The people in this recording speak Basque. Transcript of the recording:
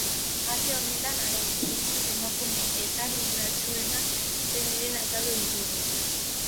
Aste honetan, haren iritziz, emakume esanguratsuenak zein diren azaldu digu.